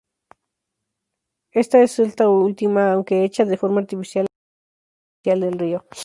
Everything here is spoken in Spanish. Es esta última, aunque hecha de forma artificial, la desembocadura oficial del río.